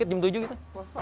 sedikit jam tujuh gitu